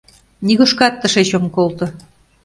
Нигушкат тышеч ом колто.